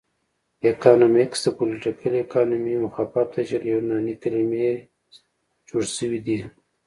اکنامکس د پولیټیکل اکانومي مخفف دی چې له یوناني کلمو جوړ شوی دی